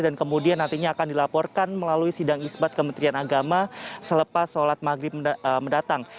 dan kemudian nantinya akan dilaporkan melalui sidang isbat kementerian agama selepas sholat maghrib mendatang